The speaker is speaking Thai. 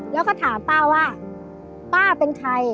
แล้วก็ถามป้าว่าป้าเป็นใคร